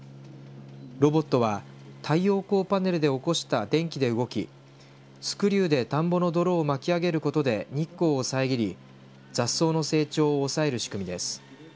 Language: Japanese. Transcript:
ロボットは太陽光パネルで起こした電気で動きスクリューで田んぼの泥を巻き上げることで日光を遮り雑草の成長を抑える仕組みです。